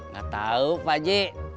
gak tau pak ji